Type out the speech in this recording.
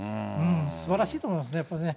すばらしいと思いますね、やっぱりね。